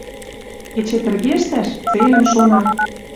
Эче тӹргештӓш — цельыш шона